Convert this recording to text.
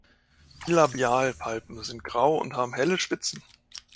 Die Labialpalpen sind grau und haben helle Spitzen.